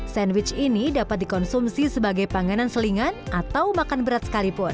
sandwich ini dapat dikonsumsi sebagai panganan selingan atau makan berat sekalipun